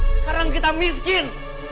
sekarang kita miskin